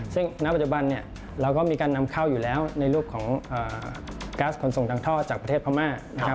ซึ่งณปัจจุบันเนี่ยเราก็มีการนำเข้าอยู่แล้วในรูปของก๊าซขนส่งทางท่อจากประเทศพม่านะครับ